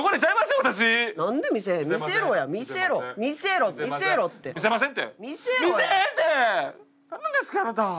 何なんですかあなた。